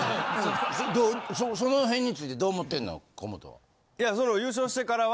その辺についてどう思ってんの河本は。